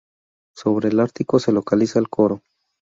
Sobre el atrio se localiza el coro.